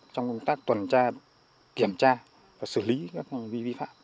trong công tác tuần tra kiểm tra và xử lý các vấn đề vi phạm